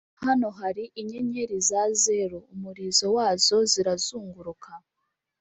hano hari inyenyeri za zeru, umurizo wazo zirazunguruka,